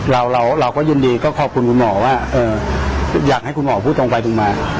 เราก็ยืนดีขอบคุณหมออยากให้หมอพูดตรงไปถึงมา